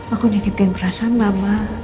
aku nyakitin perasaan mama